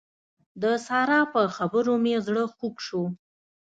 د سارا په خبرو مې زړه خوږ شو.